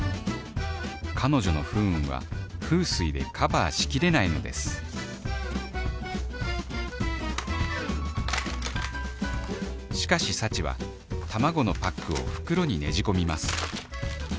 彼女の不運は風水でカバーしきれないのですしかし幸は卵のパックを袋にねじ込みます